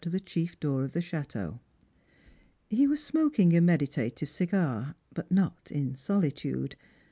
to the chief door of the cahteau. He was smoking a meditative cigar, but not in solitude.